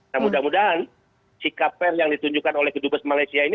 nah mudah mudahan sikap pers yang ditunjukkan oleh kedubes malaysia ini